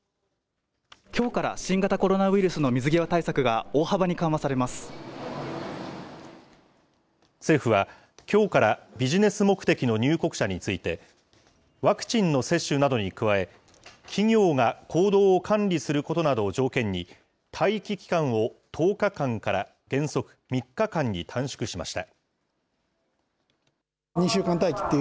きょうから新型コロナウイルスの水際対策が大幅に緩和されま政府は、きょうからビジネス目的の入国者について、ワクチンの接種などに加え、企業が行動を管理することなどを条件に、待機期間を１０日間から原則３日間に短縮しました。